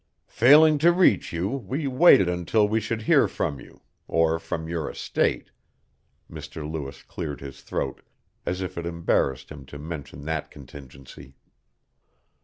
"Failing to reach you we waited until we should hear from you or from your estate." Mr. Lewis cleared his throat as if it embarrassed him to mention that contingency.